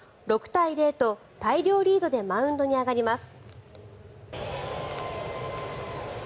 ６対０と大量リードでマウンドに上がります。